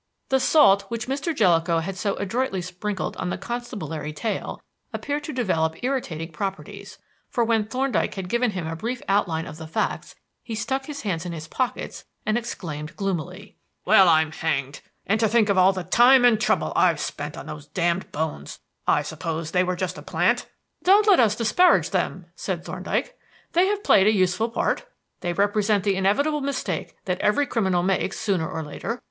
The salt which Mr. Jellicoe had so adroitly sprinkled on the constabulary tail appeared to develop irritating properties, for when Thorndyke had given him a brief outline of the facts he stuck his hands in his pockets and exclaimed gloomily: "Well, I'm hanged! And to think of all the time and trouble I've spent on those damned bones! I suppose they were just a plant?" "Don't let us disparage them," said Thorndyke. "They have played a useful part. They represent the inevitable mistake that every criminal makes sooner or later.